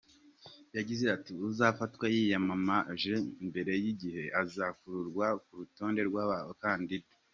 Yagize ati "uzafatwa yiyamamaje mbere y’igihe azakurwa ku rutonde rw’abakandida.